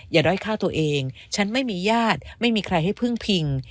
ด้อยฆ่าตัวเองฉันไม่มีญาติไม่มีใครให้พึ่งพิง